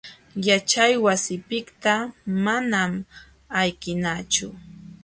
Yaćhay wasipiqta manam ayqinachu.